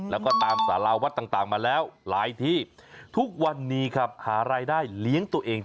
แล้วก็ตามสาราวัดต่างมาแล้วหลายที่ทุกวันนี้ครับหารายได้เลี้ยงตัวเอง